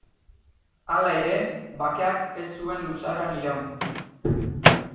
Hala ere, bakeak ez zuen luzaroan iraun.